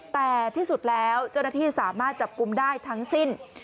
แต่ที่สุดแล้วเจ้าหน้าที่สามารถจับกลุ่มได้ทั้งสิ้น